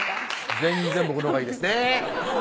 全然僕のほうがいいですね